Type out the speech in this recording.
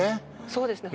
そうですね